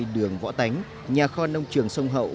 đường võ tánh nhà kho nông trường sông hậu